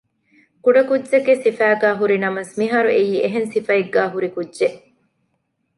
ކުޑަކުއްޖެއްގެ ސިފައިގައި ހުރި ނަމަވެސް މިހާރު އެއީ އެހެން ސިފައެއްގައި ހުރި ކުއްޖެއް